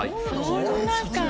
そんなか。